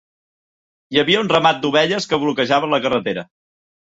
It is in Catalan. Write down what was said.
Hi havia un ramat d"ovelles que bloquejaven la carretera.